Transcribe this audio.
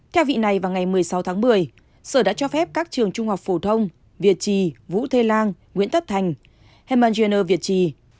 theo vị này vào ngày một mươi sáu tháng một mươi sở đã cho phép các trường trung học phổ thông việt trì vũ thê lang nguyễn tất thành heman gener việt trì